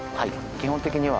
基本的には。